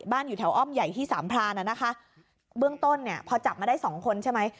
อยู่แถวอ้อมใหญ่ที่สามพรานอ่ะนะคะเบื้องต้นเนี่ยพอจับมาได้สองคนใช่ไหม